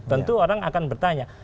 tentu orang akan bertanya